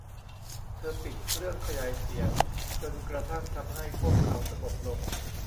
เธอปิดเครื่องขยายเสียง จนกระทั่งทำให้พวกเขาสงบลง